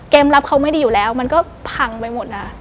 รับเขาไม่ดีอยู่แล้วมันก็พังไปหมดนะ